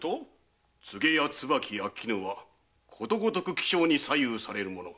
ツゲや椿や絹はことごとく気象に左右されるもの。